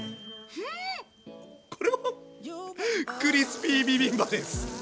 これはクリスピービビンバです！